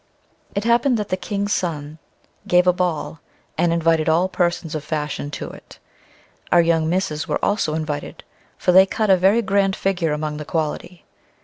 It happened that the King's son gave a ball, and invited all persons of fashion to it. Our young misses were also invited; for they cut a very grand figure among the quality.